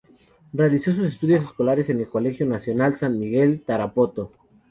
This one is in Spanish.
Realizó sus estudios escolares en el Colegio Nacional San Miguel, Tarapoto.